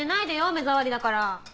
目障りだから。